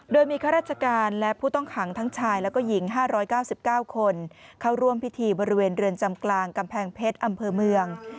โดยมีข้าราชการและผู้ต้องขังทั้งชายแล้วก็หญิง๕๙๙คนเข้าร่วมพิธีบริเวณเรือนจำกลางกำแพงเพชรอำเภอเมือง